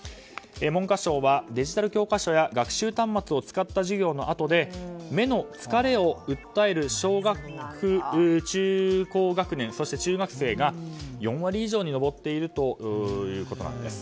文科省はデジタル教科書や学習端末を使った授業のあとで目の疲れを訴える小学校中高学年そして中学生が４割以上に上っているということです。